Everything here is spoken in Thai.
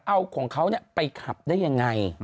เอาของเขาไปขับได้ยังไง